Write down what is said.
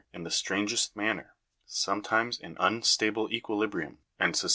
206), in the strangest manner, sometimes in unstable equilibrium, and suscep Fig.